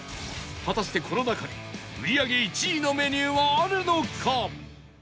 果たしてこの中に売り上げ１位のメニューはあるのか？